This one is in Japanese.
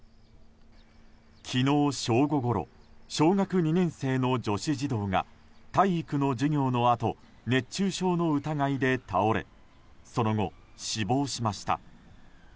昨日正午ごろ小学２年生の女子児童が体育の授業のあと熱中症の疑いで倒れその後、死亡しました。